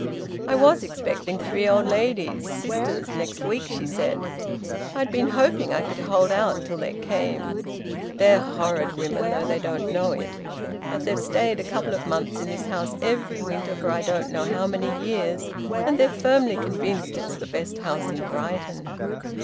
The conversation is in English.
"I was expecting three old ladies sisters next week," she said. "I'd been hoping I could hold out till they came. They're horrid women, though they don't know it; but they've stayed a couple of months in this house every winter for I don't know how many years, and they're firmly convinced it's the best house in Brighton.